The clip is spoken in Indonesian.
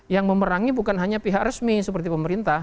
yang memerangi bukan hanya pihak resmi seperti pemerintah